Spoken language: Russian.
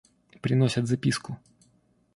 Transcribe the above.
Приносят записку.